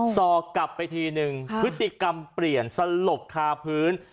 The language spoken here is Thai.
สอบกลับไปทีนึงพฤติกรรมเปลี่ยนสลบคาพื้น